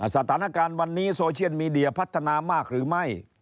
สถานการณ์วันนี้โซเชียลมีเดียพัฒนามากหรือไม่